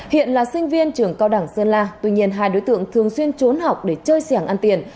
hiện là sinh viên trường cao đẳng sơn la tuy nhiên hai đối tượng thường xuyên trốn học để chơi xẻng ăn tiền